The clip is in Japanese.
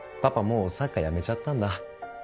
もうサッカー辞めちゃったんだ